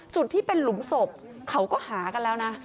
จุดที่เป็นหลุมศพเขาก็หากันแล้วนะ